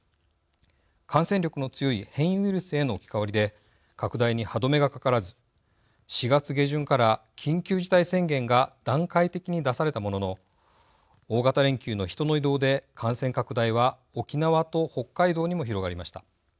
感染力の強い変異ウイルスへの置き換わりで拡大に歯止めがかからず４月下旬から緊急事態宣言が段階的に出されたものの大型連休の人の移動で感染拡大は沖縄と北海道にも広がりました。